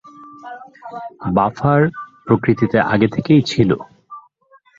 Buffer প্রকৃতিতে আগে থেকেই ছিল।